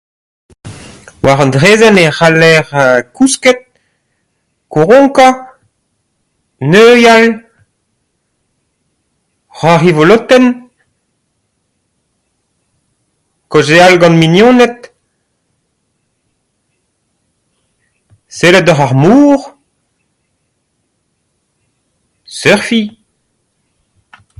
War an draezhenn e c'haller kousket, kouronkañ, neuial, c'hoari polotenn, kaozeal gant mignoned, sellet doc'h ar mor, surfiñ.